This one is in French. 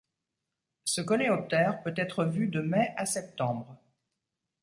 Ce coléoptère peut être vu de mai à septembre.